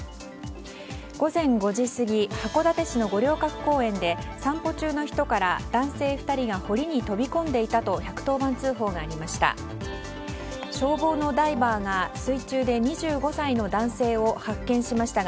午前５時過ぎ函館市の五稜郭公園で散歩中の人から、男性２人が堀に飛び込んでいたと１１０番通報がありました。